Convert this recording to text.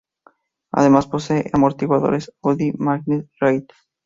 Además posee amortiguadores Audi magnetic ride.